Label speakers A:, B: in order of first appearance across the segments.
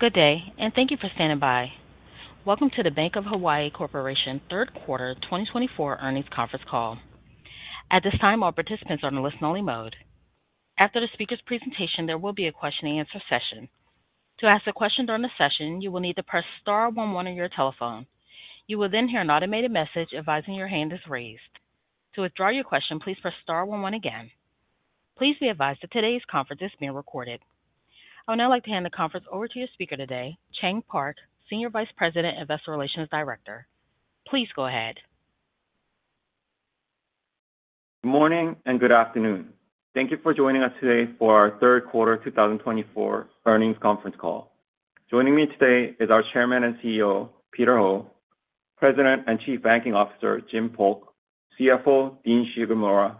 A: Good day, and thank you for standing by. Welcome to the Bank of Hawaii Corporation Q3 2024 Earnings Conference Call. At this time, all participants are on a listen-only mode. After the speaker's presentation, there will be a question-and-answer session. To ask a question during the session, you will need to press star one one on your telephone. You will then hear an automated message advising your hand is raised. To withdraw your question, please press star one one again. Please be advised that today's conference is being recorded. I would now like to hand the conference over to your speaker today, Chang Park, Senior Vice President and Investor Relations Director. Please go ahead.
B: Good morning, and good afternoon. Thank you for joining us today for our Q3 twenty twenty-four earnings conference call. Joining me today is our Chairman and CEO, Peter Ho, President and Chief Banking Officer, Jim Polk, CFO, Dean Shigemura,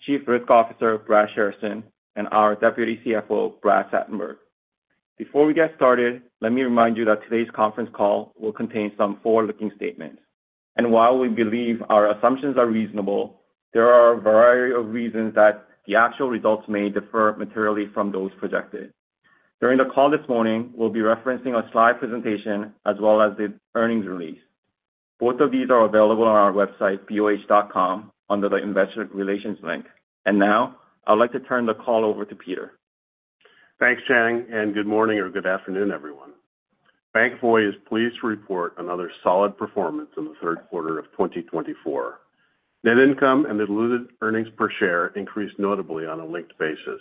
B: Chief Risk Officer, Brad Shearison, and our Deputy CFO, Brad Satenberg. Before we get started, let me remind you that today's conference call will contain some forward-looking statements, and while we believe our assumptions are reasonable, there are a variety of reasons that the actual results may differ materially from those projected. During the call this morning, we'll be referencing a slide presentation as well as the earnings release. Both of these are available on our website, boh.com, under the Investor Relations link. And now, I'd like to turn the call over to Peter.
C: Thanks, Chang, and good morning or good afternoon, everyone. Bank of Hawaii is pleased to report another solid performance in the Q3 of twenty twenty-four. Net income and diluted earnings per share increased notably on a linked basis.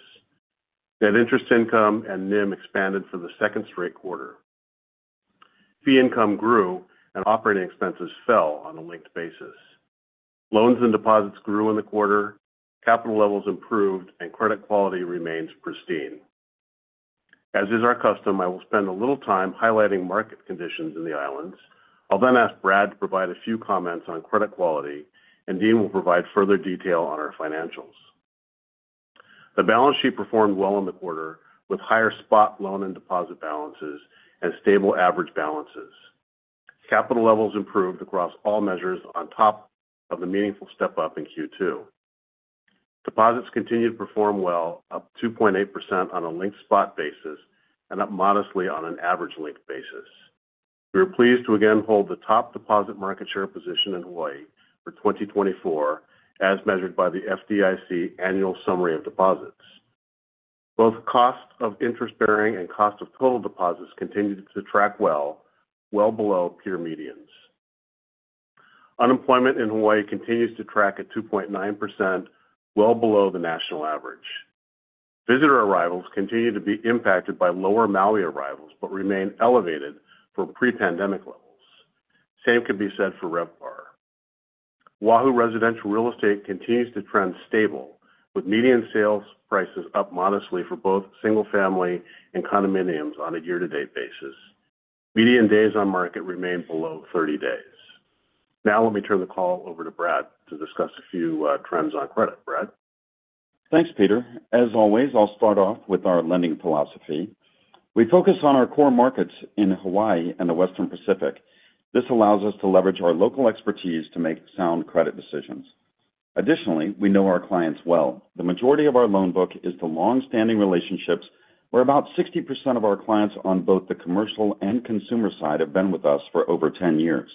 C: Net interest income and NIM expanded for the second straight quarter. Fee income grew and operating expenses fell on a linked basis. Loans and deposits grew in the quarter, capital levels improved, and credit quality remains pristine. As is our custom, I will spend a little time highlighting market conditions in the islands. I'll then ask Brad to provide a few comments on credit quality, and Dean will provide further detail on our financials. The balance sheet performed well in the quarter, with higher spot loan and deposit balances and stable average balances. Capital levels improved across all measures on top of the meaningful step-up in Q2. Deposits continued to perform well, up 2.8% on a linked spot basis and up modestly on an average linked basis. We are pleased to again hold the top deposit market share position in Hawaii for 2024, as measured by the FDIC Annual Summary of Deposits. Both cost of interest-bearing and cost of total deposits continued to track well, well below peer medians. Unemployment in Hawaii continues to track at 2.9%, well below the national average. Visitor arrivals continue to be impacted by lower Maui arrivals, but remain elevated from pre-pandemic levels. Same could be said for RevPAR. Oahu residential real estate continues to trend stable, with median sales prices up modestly for both single-family and condominiums on a year-to-date basis. Median days on market remain below 30 days. Now, let me turn the call over to Brad to discuss a few trends on credit. Brad?
D: Thanks, Peter. As always, I'll start off with our lending philosophy. We focus on our core markets in Hawaii and the Western Pacific. This allows us to leverage our local expertise to make sound credit decisions. Additionally, we know our clients well. The majority of our loan book is the long-standing relationships, where about 60% of our clients on both the commercial and consumer side have been with us for over 10 years.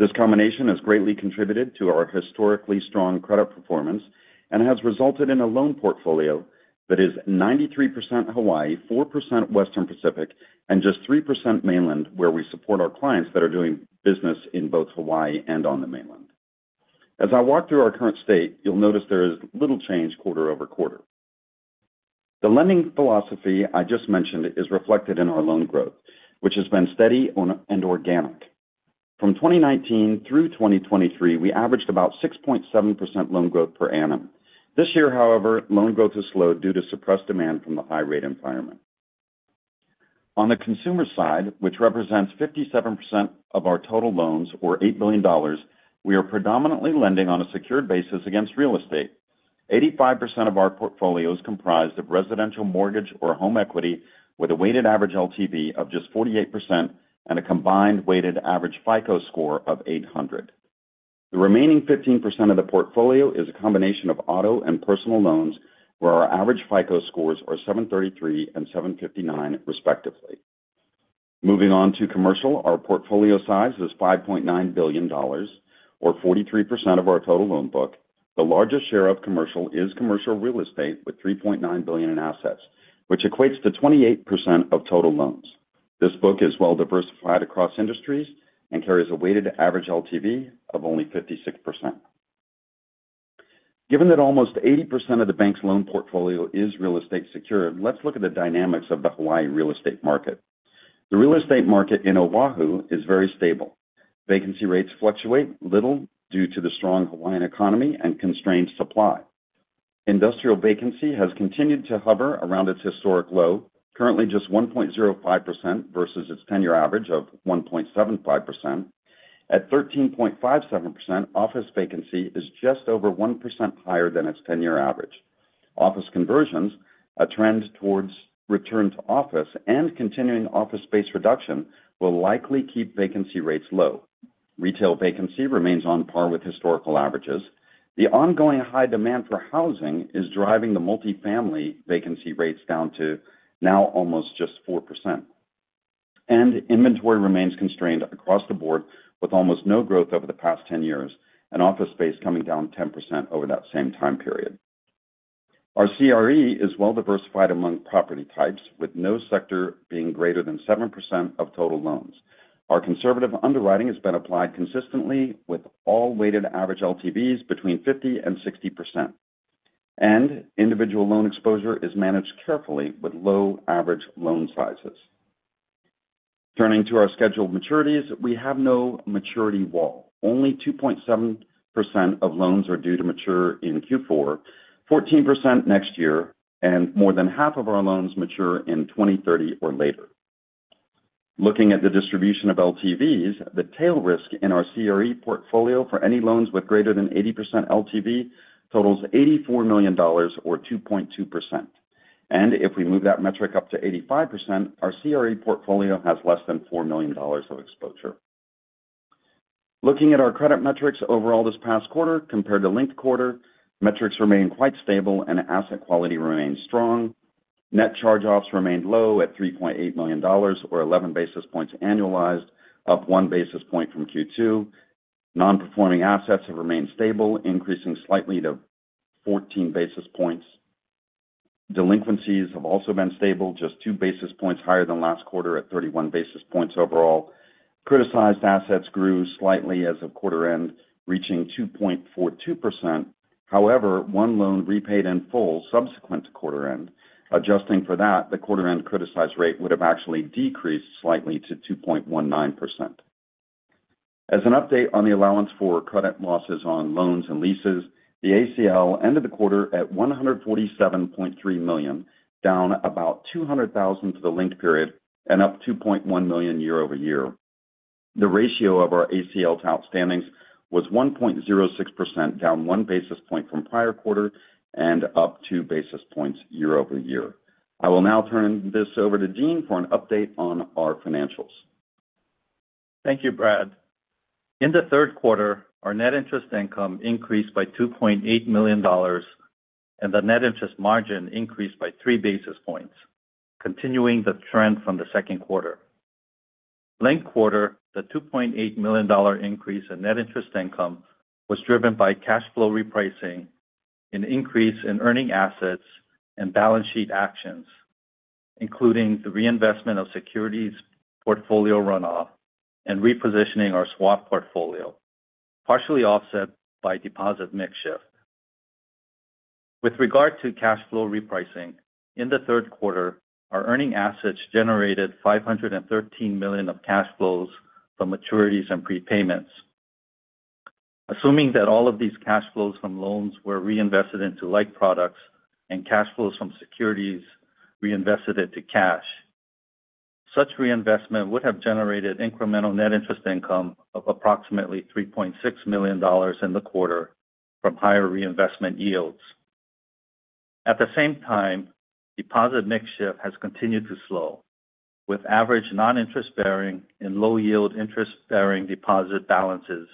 D: This combination has greatly contributed to our historically strong credit performance and has resulted in a loan portfolio that is 93% Hawaii, 4% Western Pacific, and just 3% mainland, where we support our clients that are doing business in both Hawaii and on the mainland. As I walk through our current state, you'll notice there is little change quarter-over-quarter. The lending philosophy I just mentioned is reflected in our loan growth, which has been steady and organic. From 2019 through 2023, we averaged about 6.7% loan growth per annum. This year, however, loan growth has slowed due to suppressed demand from the high-rate environment. On the consumer side, which represents 57% of our total loans, or $8 billion, we are predominantly lending on a secured basis against real estate. 85% of our portfolio is comprised of residential mortgage or home equity, with a weighted average LTV of just 48% and a combined weighted average FICO score of 800. The remaining 15% of the portfolio is a combination of auto and personal loans, where our average FICO scores are 733 and 759, respectively. Moving on to commercial, our portfolio size is $5.9 billion, or 43% of our total loan book. The largest share of commercial is commercial real estate, with $3.9 billion in assets, which equates to 28% of total loans. This book is well diversified across industries and carries a weighted average LTV of only 56%. Given that almost 80% of the bank's loan portfolio is real estate secured, let's look at the dynamics of the Hawaii real estate market. The real estate market in Oahu is very stable. Vacancy rates fluctuate little due to the strong Hawaiian economy and constrained supply. Industrial vacancy has continued to hover around its historic low, currently just 1.05% versus its 10-year average of 1.75%. At 13.57%, office vacancy is just over 1% higher than its ten-year average. Office conversions, a trend towards return to office and continuing office space reduction, will likely keep vacancy rates low. Retail vacancy remains on par with historical averages. The ongoing high demand for housing is driving the multifamily vacancy rates down to now almost just 4%. And inventory remains constrained across the board, with almost no growth over the past ten years, and office space coming down 10% over that same time period. Our CRE is well diversified among property types, with no sector being greater than 7% of total loans. Our conservative underwriting has been applied consistently, with all weighted average LTVs between 50% and 60%, and individual loan exposure is managed carefully with low average loan sizes. Turning to our scheduled maturities, we have no maturity wall. Only 2.7% of loans are due to mature in Q4, 14% next year, and more than half of our loans mature in 2030 or later. Looking at the distribution of LTVs, the tail risk in our CRE portfolio for any loans with greater than 80% LTV totals $84 million, or 2.2%. And if we move that metric up to 85%, our CRE portfolio has less than $4 million of exposure. Looking at our credit metrics overall this past quarter compared to linked quarter, metrics remained quite stable and asset quality remained strong. Net charge-offs remained low at $3.8 million, or 11 basis points annualized, up 1 basis point from Q2. Non-performing assets have remained stable, increasing slightly to 14 basis points. Delinquencies have also been stable, just 2 basis points higher than last quarter at 31 basis points overall. Criticized assets grew slightly as of quarter end, reaching 2.42%. However, one loan repaid in full subsequent to quarter end. Adjusting for that, the quarter end criticized rate would have actually decreased slightly to 2.19%. As an update on the allowance for credit losses on loans and leases, the ACL ended the quarter at $147.3 million, down about $200,000 to the linked period and up $2.1 million year over year. The ratio of our ACL to outstandings was 1.06%, down 1 basis point from prior quarter and up 2 basis points year over year. I will now turn this over to Dean for an update on our financials.
E: Thank you, Brad. In the Q3, our net interest income increased by $2.8 million, and the net interest margin increased by three basis points, continuing the trend from the Q2 Linked quarter, the $2.8 million increase in net interest income was driven by cash flow repricing, an increase in earning assets and balance sheet actions, including the reinvestment of securities portfolio runoff and repositioning our swap portfolio, partially offset by deposit mix shift. With regard to cash flow repricing, in the Q3, our earning assets generated $513 million of cash flows from maturities and prepayments. Assuming that all of these cash flows from loans were reinvested into like products and cash flows from securities reinvested into cash, such reinvestment would have generated incremental net interest income of approximately $3.6 million in the quarter from higher reinvestment yields. At the same time, deposit mix shift has continued to slow, with average non-interest-bearing and low-yield interest-bearing deposit balances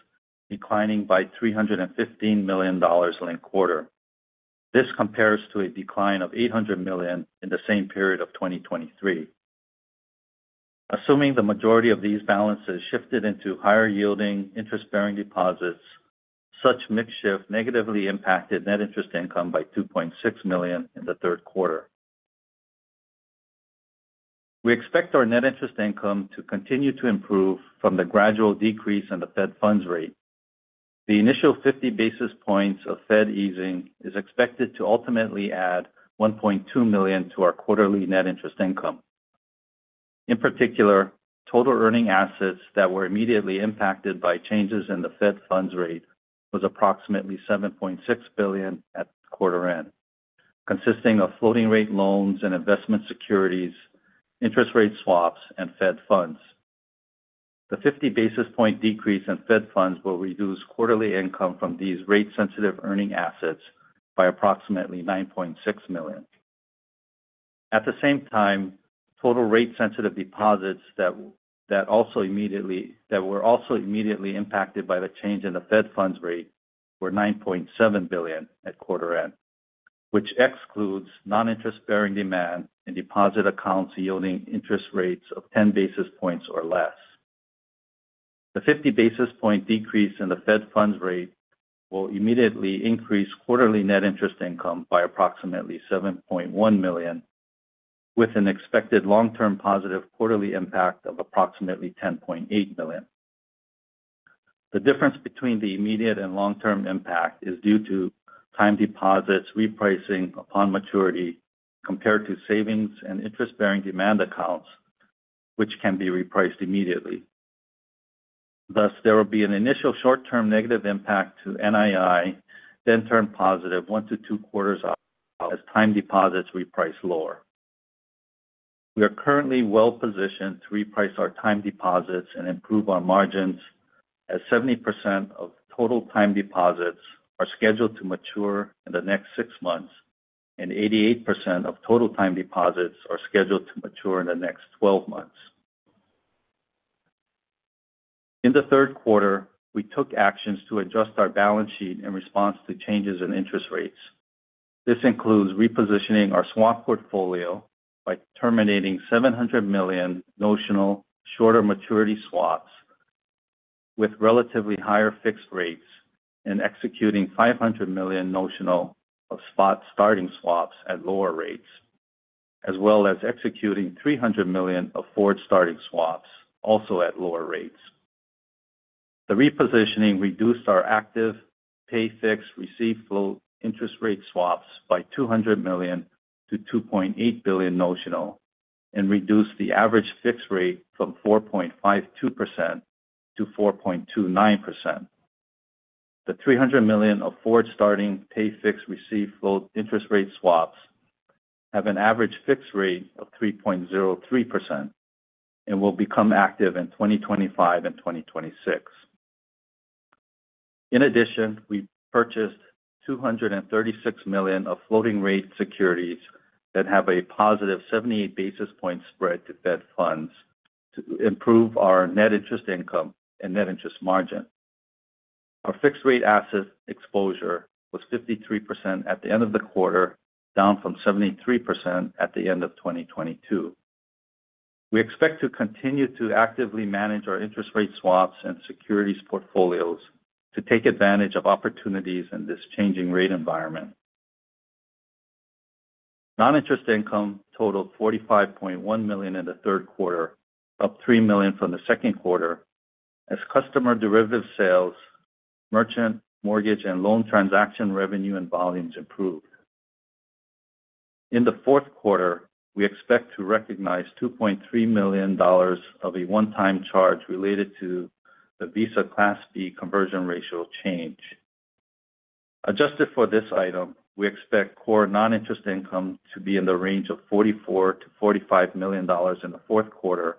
E: declining by $315 million linked quarter. This compares to a decline of $800 million in the same period of 2023. Assuming the majority of these balances shifted into higher-yielding interest-bearing deposits, such mix shift negatively impacted net interest income by $2.6 million in the Q3. We expect our net interest income to continue to improve from the gradual decrease in the Fed funds rate. The initial 50 basis points of Fed easing is expected to ultimately add $1.2 million to our quarterly net interest income. In particular, total earning assets that were immediately impacted by changes in the Fed funds rate was approximately $7.6 billion at quarter end, consisting of floating rate loans and investment securities, interest rate swaps, and Fed funds. The 50 basis point decrease in Fed funds will reduce quarterly income from these rate-sensitive earning assets by approximately $9.6 million. At the same time, total rate-sensitive deposits that were also immediately impacted by the change in the Fed funds rate were $9.7 billion at quarter end, which excludes non-interest-bearing demand and deposit accounts yielding interest rates of 10 basis points or less. The fifty basis point decrease in the Fed funds rate will immediately increase quarterly net interest income by approximately $7.1 million, with an expected long-term positive quarterly impact of approximately $10.8 million. The difference between the immediate and long-term impact is due to time deposits repricing upon maturity compared to savings and interest-bearing demand accounts, which can be repriced immediately. Thus, there will be an initial short-term negative impact to NII, then turn positive one to two quarters out as time deposits reprice lower. We are currently well positioned to reprice our time deposits and improve our margins, as 70% of total time deposits are scheduled to mature in the next six months, and 88% of total time deposits are scheduled to mature in the next twelve months. In the Q3, we took actions to adjust our balance sheet in response to changes in interest rates. This includes repositioning our swap portfolio by terminating $700 million notional shorter maturity swaps with relatively higher fixed rates, and executing $500 million notional of spot-starting swaps at lower rates, as well as executing $300 million of forward-starting swaps, also at lower rates. The repositioning reduced our active pay-fixed, receive-floating interest rate swaps by $200 million to $2.8 billion notional, and reduced the average fixed rate from 4.52% to 4.29%. The $300 million of forward-starting pay-fixed receive-floating interest rate swaps have an average fixed rate of 3.03% and will become active in 2025 and 2026. In addition, we purchased $236 million of floating rate securities that have a positive 78 basis point spread to Fed funds to improve our net interest income and net interest margin. Our fixed rate asset exposure was 53% at the end of the quarter, down from 73% at the end of 2022. We expect to continue to actively manage our interest rate swaps and securities portfolios to take advantage of opportunities in this changing rate environment. Noninterest income totaled $45.1 million in the Q3, up $3 million from the Q2, as customer derivative sales, merchant, mortgage, and loan transaction revenue and volumes improved. In the Q4, we expect to recognize $2.3 million of a one-time charge related to the Visa Class B conversion ratio change. Adjusted for this item, we expect core non-interest income to be in the range of $44 million-$45 million in the Q4,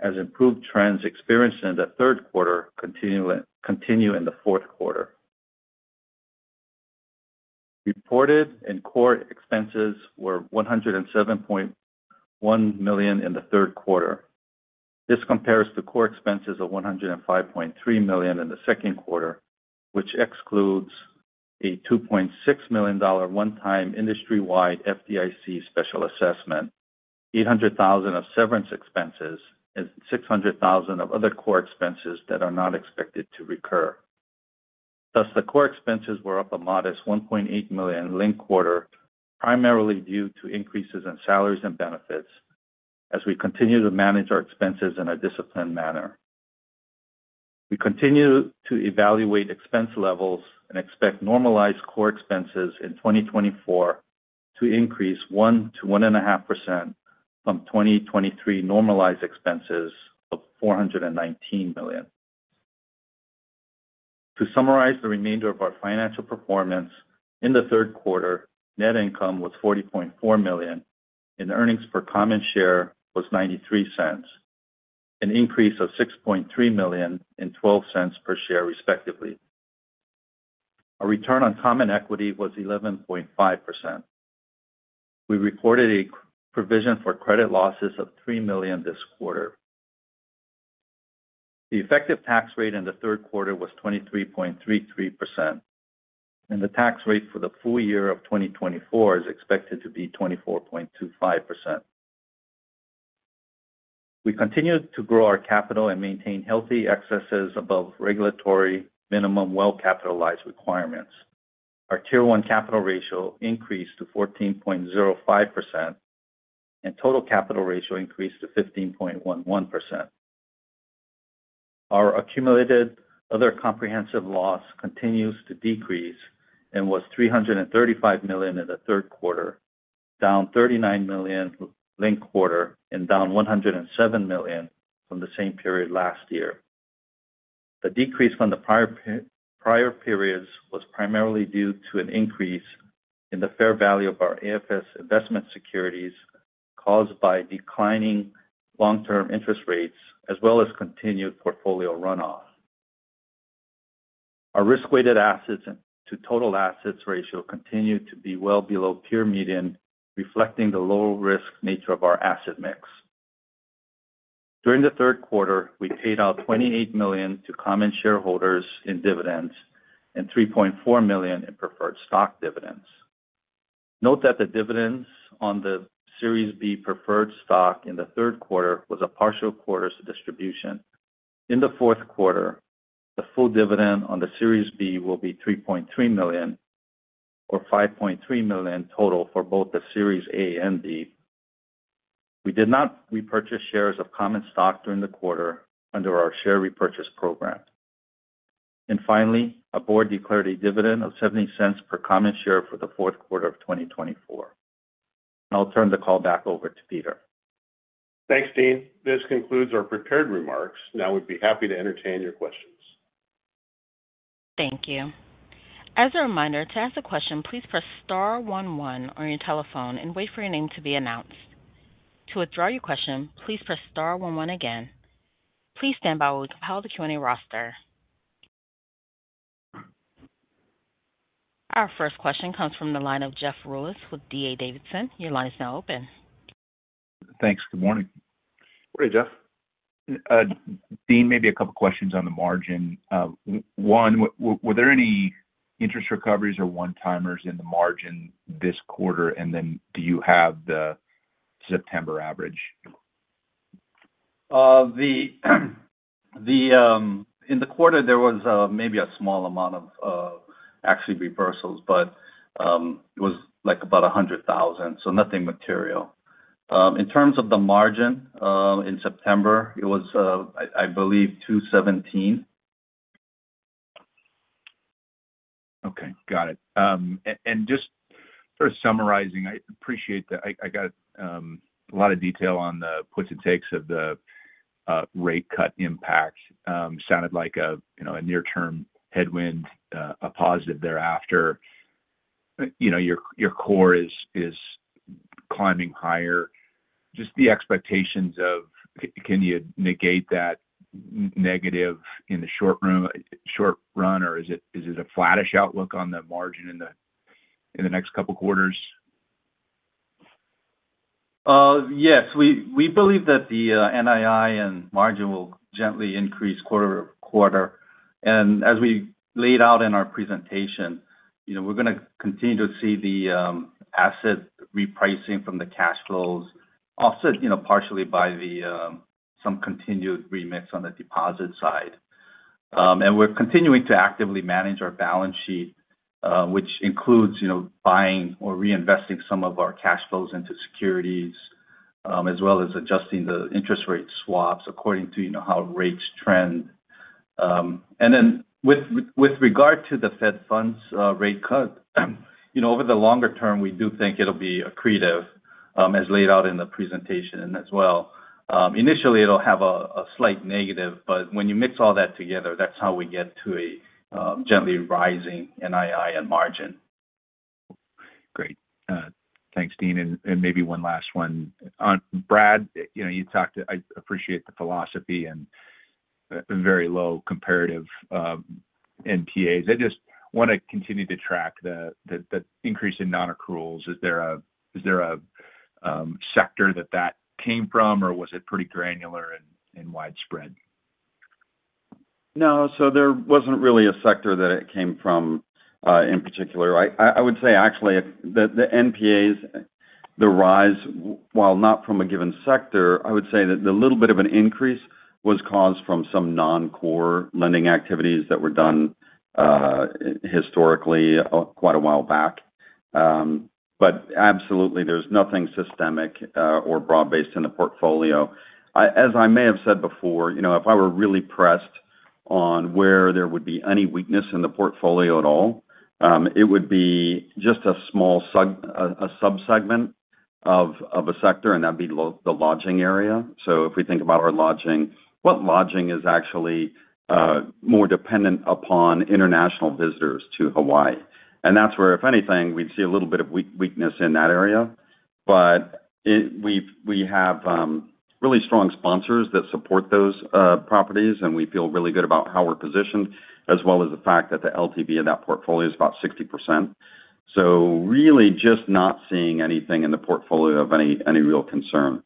E: as improved trends experienced in the Q3 continue in the Q4. Reported and core expenses were $107.1 million in the Q3. This compares to core expenses of $105.3 million in the Q2, which excludes a $2.6 million one-time industry-wide FDIC special assessment, $800,000 of severance expenses, and $600,000 of other core expenses that are not expected to recur. Thus, the core expenses were up a modest $1.8 million linked quarter, primarily due to increases in salaries and benefits, as we continue to manage our expenses in a disciplined manner. We continue to evaluate expense levels and expect normalized core expenses in 2024 to increase 1%-1.5% from 2023 normalized expenses of $419 million. To summarize the remainder of our financial performance, in the Q3, net income was $40.4 million, and earnings per common share was $0.93, an increase of $6.3 million and $0.12 per share, respectively. Our return on common equity was 11.5%. We recorded a provision for credit losses of $3 million this quarter. The effective tax rate in the Q3 was 23.33%, and the tax rate for the full year of 2024 is expected to be 24.25%. We continued to grow our capital and maintain healthy excesses above regulatory minimum well-capitalized requirements. Our Tier 1 capital ratio increased to 14.05%, and total capital ratio increased to 15.11%. Our accumulated other comprehensive loss continues to decrease and was $335 million in the Q3, down $39 million linked quarter and down $107 million from the same period last year. The decrease from the prior periods was primarily due to an increase in the fair value of our AFS investment securities, caused by declining long-term interest rates, as well as continued portfolio runoff. Our risk-weighted assets to total assets ratio continued to be well below peer median, reflecting the low-risk nature of our asset mix. During the Q3, we paid out $28 million to common shareholders in dividends and $3.4 million in preferred stock dividends. Note that the dividends on the Series B Preferred Stock in the Q3 was a partial quarter's distribution. In the Q4, the full dividend on the Series B will be $3.3 million, or $5.3 million total for both the Series A and B. We did not repurchase shares of common stock during the quarter under our share repurchase program. Finally, our board declared a dividend of $0.70 per common share for the Q4 of 2024. I'll turn the call back over to Peter.
C: Thanks, Dean. This concludes our prepared remarks. Now we'd be happy to entertain your questions.
A: Thank you. As a reminder, to ask a question, please press star one one on your telephone and wait for your name to be announced. To withdraw your question, please press star one one again. Please stand by while we compile the Q&A roster. Our first question comes from the line of Jeff Rulis with D.A. Davidson. Your line is now open.
F: Thanks. Good morning.
E: Good morning, Jeff.
F: Dean, maybe a couple questions on the margin. One, were there any interest recoveries or one-timers in the margin this quarter? And then do you have the September average?
E: In the quarter, there was maybe a small amount of actually reversals, but it was like about a hundred thousand, so nothing material. In terms of the margin, in September, it was I believe two seventeen.
F: Okay, got it. And just for summarizing, I appreciate that I got a lot of detail on the puts and takes of the rate cut impact. Sounded like, you know, a near-term headwind, a positive thereafter. You know, your core is climbing higher. Just the expectations can you negate that negative in the short term, or is it a flattish outlook on the margin in the next couple quarters?
E: Yes. We believe that the NII and margin will gently increase quarter-over-quarter. And as we laid out in our presentation, you know, we're gonna continue to see the asset repricing from the cash flows offset, you know, partially by some continued remix on the deposit side. And we're continuing to actively manage our balance sheet, which includes, you know, buying or reinvesting some of our cash flows into securities, as well as adjusting the interest rate swaps according to, you know, how rates trend. And then with regard to the Fed funds rate cut, you know, over the longer term, we do think it'll be accretive, as laid out in the presentation as well. Initially, it'll have a slight negative, but when you mix all that together, that's how we get to a gently rising NII and margin.
F: Great. Thanks, Dean. And maybe one last one. On Brad, you know, you talked... I appreciate the philosophy and very low comparative NPAs. I just wanna continue to track the increase in nonaccruals. Is there a sector that that came from, or was it pretty granular and widespread?
D: No, so there wasn't really a sector that it came from, in particular. I would say actually if the NPAs, the rise while not from a given sector, I would say that the little bit of an increase was caused from some non-core lending activities that were done historically, quite a while back, but absolutely, there's nothing systemic or broad-based in the portfolio. As I may have said before, you know, if I were really pressed on where there would be any weakness in the portfolio at all, it would be just a small sub, a sub-segment of a sector, and that'd be the lodging area, so if we think about our lodging, what lodging is actually more dependent upon international visitors to Hawaii. And that's where, if anything, we'd see a little bit of weakness in that area. But it. We've we have really strong sponsors that support those properties, and we feel really good about how we're positioned, as well as the fact that the LTV of that portfolio is about 60%. So really just not seeing anything in the portfolio of any real concern.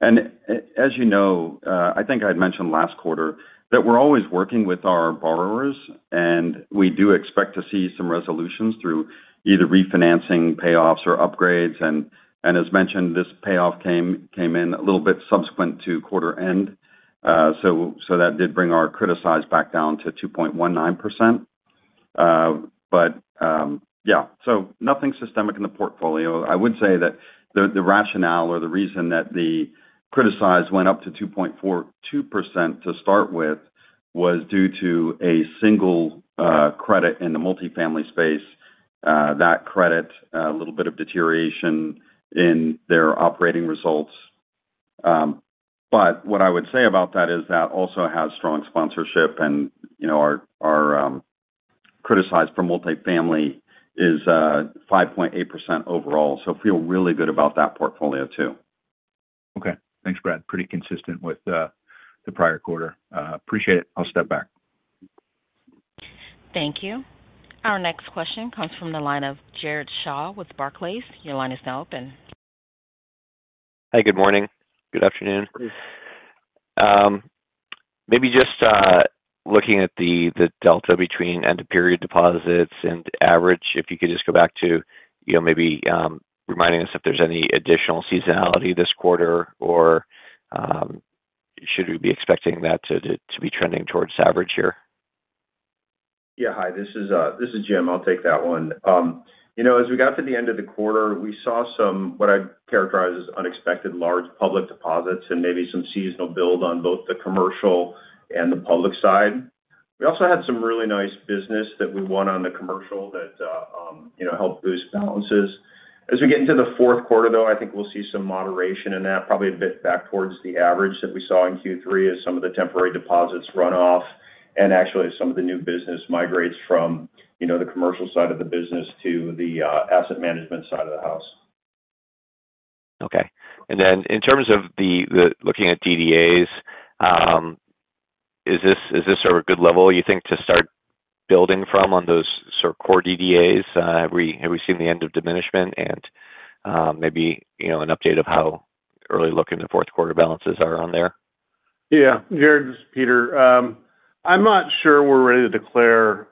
D: And as you know, I think I'd mentioned last quarter, that we're always working with our borrowers, and we do expect to see some resolutions through either refinancing payoffs or upgrades. And as mentioned, this payoff came in a little bit subsequent to quarter end. So that did bring our criticized back down to 2.19%. But so nothing systemic in the portfolio. I would say that the rationale or the reason that the criticized went up to 2.42% to start with was due to a single credit in the multifamily space. That credit, a little bit of deterioration in their operating results. But what I would say about that is that also has strong sponsorship and, you know, our criticized for multifamily is 5.8% overall, so feel really good about that portfolio, too.
F: Okay. Thanks, Brad. Pretty consistent with the prior quarter. Appreciate it. I'll step back.
A: Thank you. Our next question comes from the line of Jared Shaw with Barclays. Your line is now open.
G: Hi, good morning. Good afternoon. Maybe just looking at the delta between end-of-period deposits and average, if you could just go back to, you know, maybe reminding us if there's any additional seasonality this quarter, or should we be expecting that to be trending towards average here?
H: Yeah. Hi, this is, this is Jim. I'll take that one. You know, as we got to the end of the quarter, we saw some, what I'd characterize as unexpected large public deposits and maybe some seasonal build on both the commercial and the public side. We also had some really nice business that we won on the commercial that, you know, helped boost balances. As we get into the Q4, though, I think we'll see some moderation in that, probably a bit back towards the average that we saw in Q3 as some of the temporary deposits run off, and actually, as some of the new business migrates from, you know, the commercial side of the business to the, asset management side of the house.
G: Okay. And then in terms of the looking at DDAs, is this sort of a good level, you think, to start building from on those sort of core DDAs? Have we seen the end of diminishment? And maybe, you know, an update of how early look in the Q4 balances are on there.
C: Yeah, Jared, this is Peter. I'm not sure we're ready to declare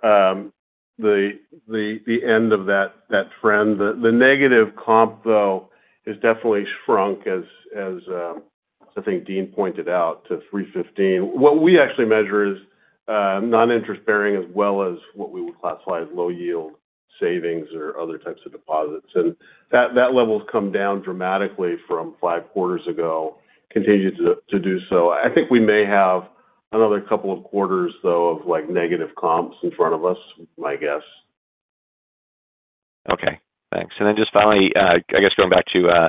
C: the end of that trend. The negative comp, though, has definitely shrunk as I think Dean pointed out, to three fifteen. What we actually measure is noninterest-bearing, as well as what we would classify as low-yield savings or other types of deposits, and that level's come down dramatically from five quarters ago, continues to do so. I think we may have another couple of quarters, though, of like, negative comps in front of us, my guess.
G: Okay, thanks. And then just finally, I guess going back to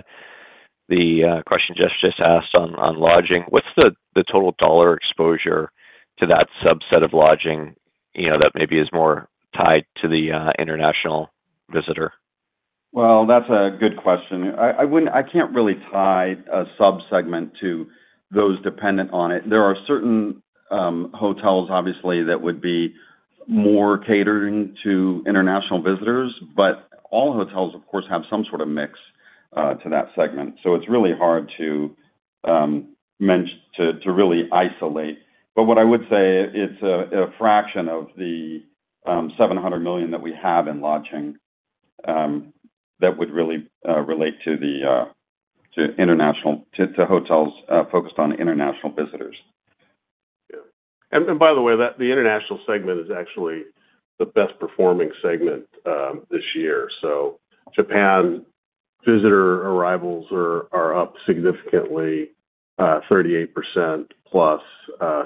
G: the question Jeff just asked on lodging. What's the total dollar exposure to that subset of lodging, you know, that maybe is more tied to the international visitor?
F: That's a good question. I wouldn't. I can't really tie a sub-segment to those dependent on it. There are certain hotels, obviously, that would be more catering to international visitors, but all hotels, of course, have some sort of mix to that segment. So it's really hard to really isolate. But what I would say, it's a fraction of the $700 million that we have in lodging that would really relate to international hotels focused on international visitors. Yeah, and by the way, that the international segment is actually the best performing segment this year, so Japan visitor arrivals are up significantly, 38% plus,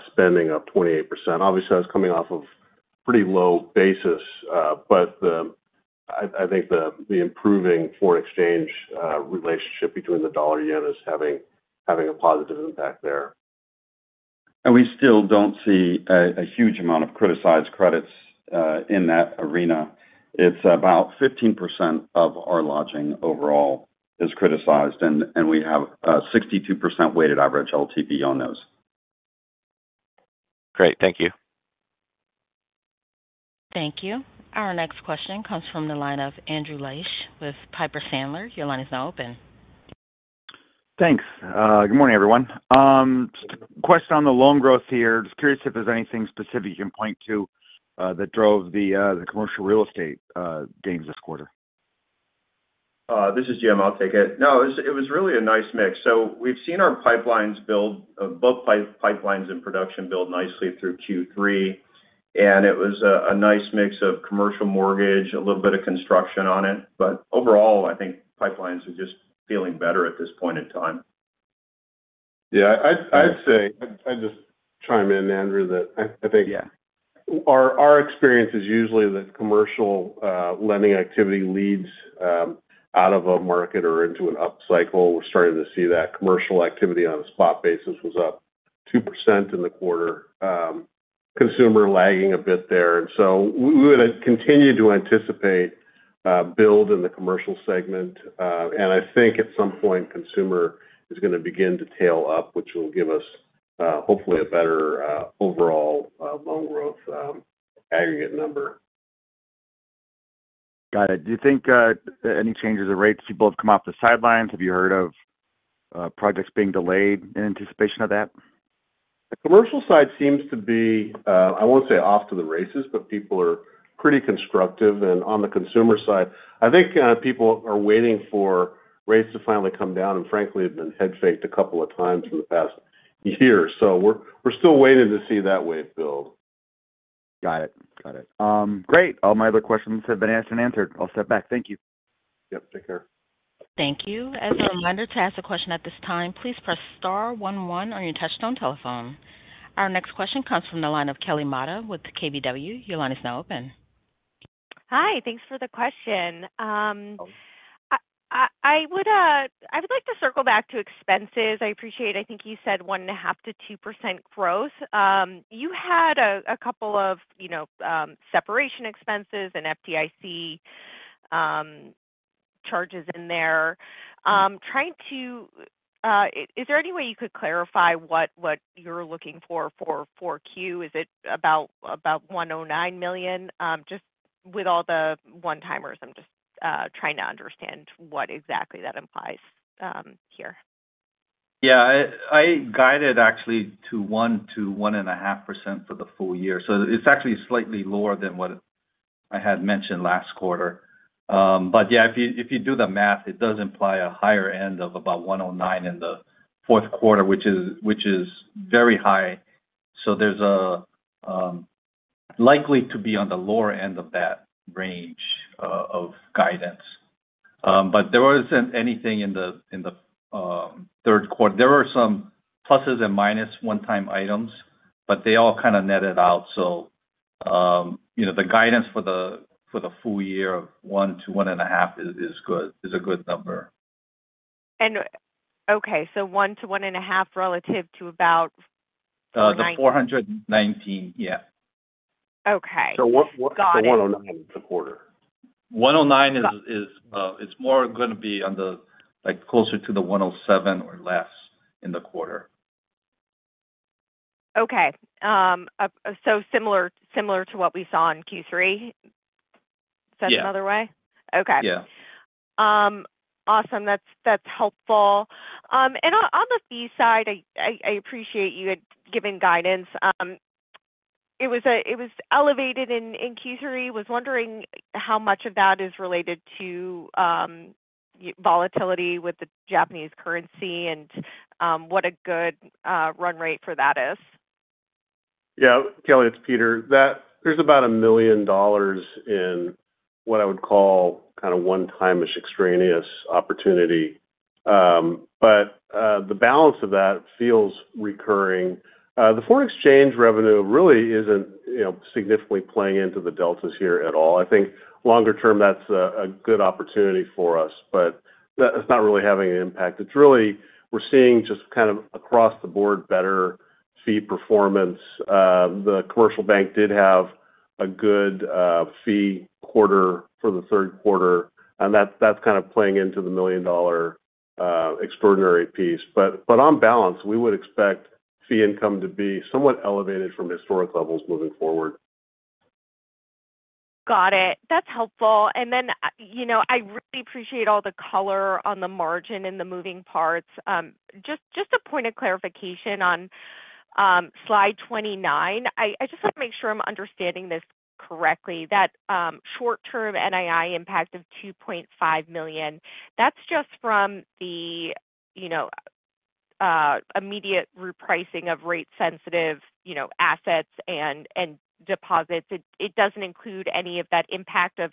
F: spending up 28%. Obviously, that's coming off of pretty low base, but I think the improving foreign exchange relationship between the dollar/yen is having a positive impact there.
D: We still don't see a huge amount of criticized credits in that arena. It's about 15% of our lodging overall is criticized, and we have a 62% weighted average LTV on those.
G: Great. Thank you.
A: Thank you. Our next question comes from the line of Andrew Liesch with Piper Sandler. Your line is now open.
I: Thanks. Good morning, everyone. Just a question on the loan growth here. Just curious if there's anything specific you can point to that drove the commercial real estate gains this quarter.
H: This is Jim. I'll take it. No, it was, it was really a nice mix. So we've seen our pipelines build, both pipelines and production build nicely through Q3, and it was a nice mix of commercial mortgage, a little bit of construction on it. But overall, I think pipelines are just feeling better at this point in time.
C: Yeah, I'd just chime in, Andrew, that I think. Yeah. Our experience is usually that commercial lending activity leads out of a market or into an upcycle. We're starting to see that commercial activity on a spot basis was up 2% in the quarter. Consumer lagging a bit there. And so we would continue to anticipate build in the commercial segment. And I think at some point, consumer is gonna begin to tail up, which will give us, hopefully, a better overall loan growth aggregate number.
I: Got it. Do you think, any changes in rates, people have come off the sidelines? Have you heard of, projects being delayed in anticipation of that?
C: The commercial side seems to be. I won't say off to the races, but people are pretty constructive. And on the consumer side, I think people are waiting for rates to finally come down, and frankly, have been head faked a couple of times in the past year. So we're still waiting to see that wave build.
I: Got it. Got it. Great. All my other questions have been asked and answered. I'll step back. Thank you.
C: Yep, take care.
A: Thank you. As a reminder, to ask a question at this time, please press star one one on your touch-tone telephone. Our next question comes from the line of Kelly Motta with KBW. Your line is now open.
J: Hi, thanks for the question. I would like to circle back to expenses. I appreciate. I think you said 1.5%-2% growth. You had a couple of, you know, separation expenses and FDIC charges in there. Is there any way you could clarify what you're looking for for 4Q? Is it about $109 million? Just with all the one-timers, I'm just trying to understand what exactly that implies here.
E: Yeah, I guided actually to 1% to 1.5% for the full year, so it's actually slightly lower than what I had mentioned last quarter. But yeah, if you do the math, it does imply a higher end of about 109 in the Q4, which is very high. So there's likely to be on the lower end of that range of guidance. But there wasn't anything in the Q3. There were some pluses and minuses one-time items, but they all kind of netted out. So, you know, the guidance for the full year of 1% to 1.5% is good, a good number.
J: Okay, so one to one and a half relative to about four nine?
E: The four hundred and nineteen, yeah.
J: Okay.
C: So, what's the 109 in the quarter?
E: One hundred and nine, it's more gonna be on the, like, closer to the one hundred and seven or less in the quarter.
J: Okay. So similar to what we saw in Q3?
E: Yeah.
J: Said another way?
E: Yeah.
J: Awesome. That's, that's helpful. And on the fee side, I appreciate you had given guidance. It was elevated in Q3. Was wondering how much of that is related to volatility with the Japanese currency and what a good run rate for that is?
C: Yeah, Kelly, it's Peter. That there's about $1 million in what I would call kind of one-time-ish extraneous opportunity, but the balance of that feels recurring. The foreign exchange revenue really isn't, you know, significantly playing into the deltas here at all. I think longer term, that's a good opportunity for us, but that's not really having an impact. It's really we're seeing just kind of across the board better fee performance. The commercial bank did have a good fee quarter for the Q3, and that's kind of playing into the $1 million extraordinary piece. But on balance, we would expect fee income to be somewhat elevated from historic levels moving forward.
J: Got it. That's helpful. And then, you know, I really appreciate all the color on the margin and the moving parts. Just a point of clarification on slide 29. I just want to make sure I'm understanding this correctly, that short-term NII impact of $2.5 million, that's just from the, you know, immediate repricing of rate-sensitive, you know, assets and deposits. It doesn't include any of that impact of,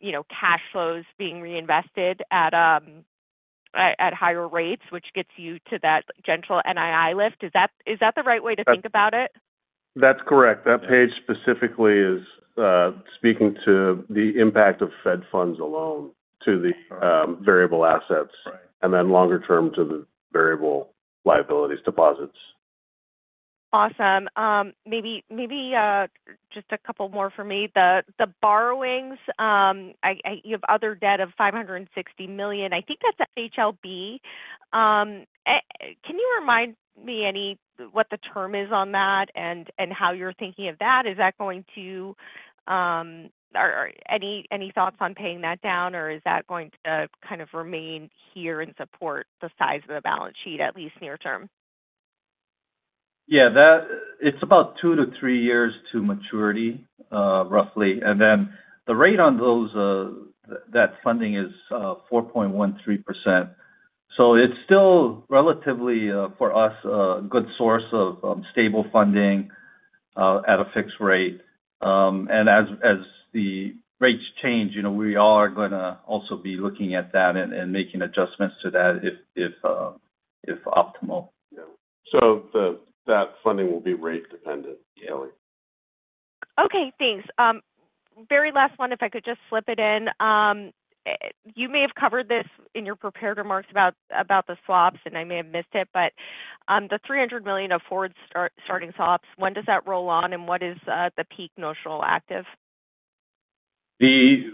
J: you know, cash flows being reinvested at higher rates, which gets you to that gentle NII lift. Is that the right way to think about it?
C: That's correct. That page specifically is speaking to the impact of Fed funds alone to the variable assets-
E: Right.
C: and then longer term to the variable liabilities deposits.
J: Awesome. Maybe, maybe, just a couple more for me. The borrowings, you have other debt of $560 million. I think that's FHLB. Can you remind me what the term is on that and how you're thinking of that? Is that going to? Or thoughts on paying that down, or is that going to kind of remain here and support the size of the balance sheet, at least near term?
E: Yeah, that. It's about two to three years to maturity, roughly. And then the rate on those, that funding is 4.13%. So it's still relatively, for us, a good source of stable funding at a fixed rate. And as the rates change, you know, we are gonna also be looking at that and making adjustments to that if optimal.
C: Yeah. So that funding will be rate dependent, Kelly.
J: Okay, thanks. Very last one, if I could just slip it in. You may have covered this in your prepared remarks about the swaps, and I may have missed it, but the $300 million of forward-starting swaps, when does that roll on, and what is the peak notional active?
E: They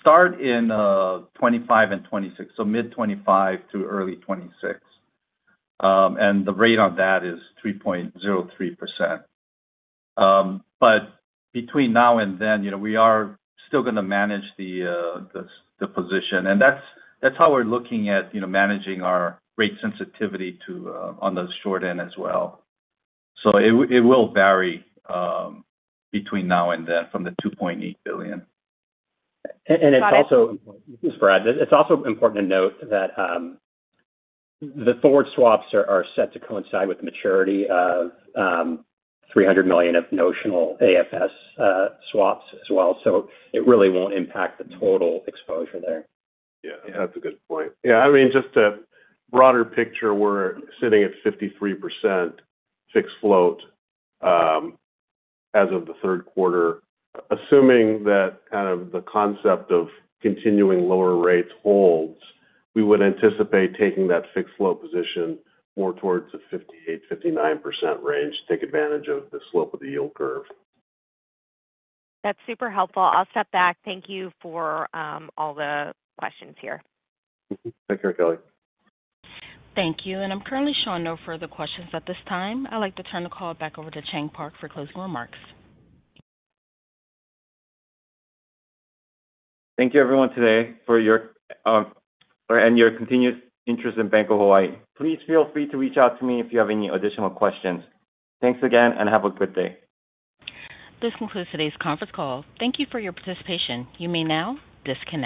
E: start in 2025 and 2026, so mid-2025 to early 2026. And the rate on that is 3.03%. But between now and then, you know, we are still gonna manage the position, and that's how we're looking at, you know, managing our rate sensitivity to on the short end as well. It will vary between now and then from the $2.8 billion.
C: And it's also-
J: Got it.
C: This is Brad. It's also important to note that the forward swaps are set to coincide with the maturity of 300 million of notional AFS swaps as well. So it really won't impact the total exposure there.
E: Yeah.
C: Yeah, that's a good point. Yeah, I mean, just a broader picture, we're sitting at 53% fixed float as of the Q3. Assuming that kind of the concept of continuing lower rates holds, we would anticipate taking that fixed float position more towards the 58-59% range to take advantage of the slope of the yield curve.
J: That's super helpful. I'll step back. Thank you for all the questions here.
C: Mm-hmm. Take care, Kelly.
A: Thank you, and I'm currently showing no further questions at this time. I'd like to turn the call back over to Chang Park for closing remarks.
B: Thank you, everyone, today for your and your continued interest in Bank of Hawaii. Please feel free to reach out to me if you have any additional questions. Thanks again, and have a good day.
A: This concludes today's conference call. Thank you for your participation. You may now disconnect.